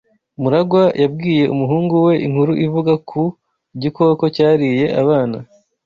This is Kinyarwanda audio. MuragwA yabwiye umuhungu we inkuru ivuga ku gikoko cyariye abana.